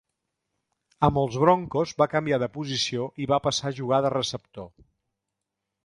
Amb els Broncos, va canviar de posició i va passar a jugar de receptor.